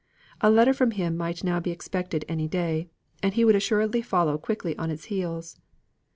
A letter from him might now be expected any day; and he would assuredly follow quickly on its heels.